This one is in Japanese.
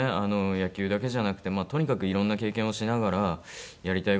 野球だけじゃなくてとにかくいろんな経験をしながらやりたい事を見付けて。